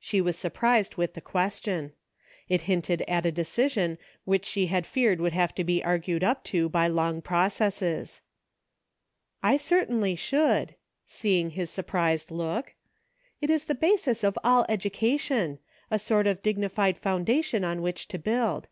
She was surprised with the ques tion. It hinted at a decision which she had feared would have to be argued up to by long processes. " I certainly should," seeing his surprised look. " It is the basis of all education ; a sort of dig nified foundation on which to build.